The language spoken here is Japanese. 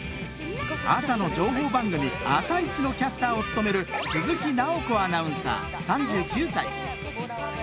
朝の情報番組「あさイチ」のキャスターを務める鈴木奈穂子アナウンサー３９歳。